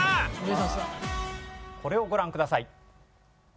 これをご覧ください。